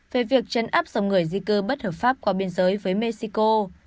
về việc chấn áp dòng người di cư bất hợp pháp qua biên giới với mexico